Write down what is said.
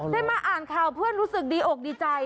ได้มาอ่านข่าวเพื่อนรู้สึกดีอกดีใจ